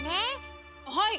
はい！